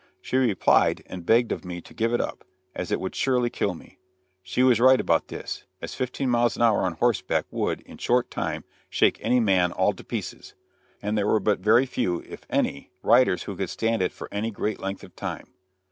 She replied, and begged of me to give it up, as it would surely kill me. She was right about this, as fifteen miles an hour on horseback would, in a short time, shake any man "all to pieces"; and there were but very few, if any, riders who could stand it for any great length of time.